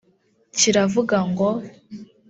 kiravuga ngo